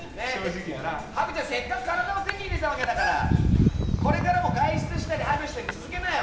ハグちゃん、せっかく体を手に入れたわけだからこれからも外出したりハグしたり続けなよ。